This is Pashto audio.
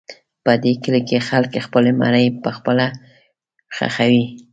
په دې کلي کې خلک خپل مړي پخپله ښخوي.